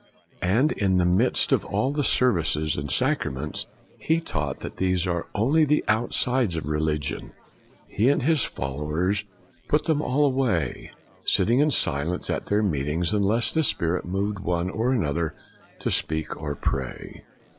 And in the midst of all the services and sacra ments, he taught that these are only the outsides of religion; he and his followers a88 FOX put them all away, sitting in silence at their meetings unless the Spirit moved one or another to speak or pray.